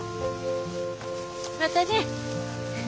またね。